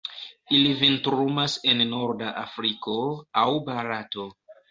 Ili vintrumas en norda Afriko aŭ Barato.